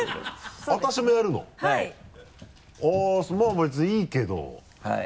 まぁ別にいいけどはい。